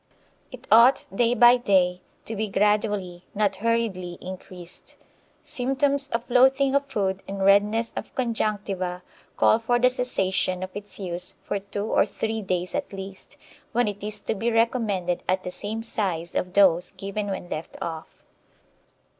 It ought, day by day, to be gradually, not hurriedly, increased. Symptoms of loathing of food and redness of conjunctiva call for the cessation of its use for two or three days at least, when it is to be recommended at the same size of dose given when left off.